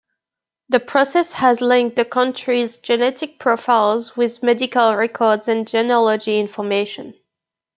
The process has linked the country's genetics profiles with medical records and genealogy information.